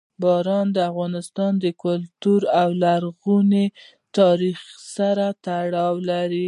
باران د افغان کلتور او لرغوني تاریخ سره تړاو لري.